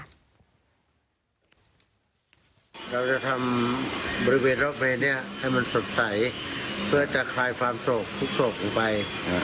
เราจะทำบริเวณรอบเมนนี้ให้มันสดใสเพื่อจะคลายความโศกทุกโศกลงไป